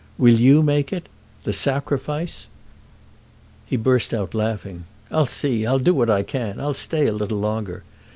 "Will you make it—the sacrifice?" He burst out laughing. "I'll see. I'll do what I can. I'll stay a little longer.